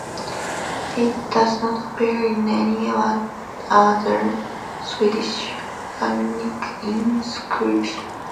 It does not appear in any other Swedish runic inscription.